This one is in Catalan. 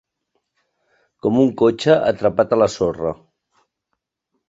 Com un cotxe atrapat a la sorra.